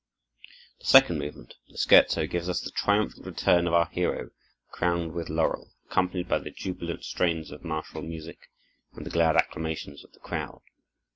The second movement, the scherzo, gives us the triumphant return of our hero crowned with laurel, accompanied by the jubilant strains of martial music, and the glad acclamations of the crowd.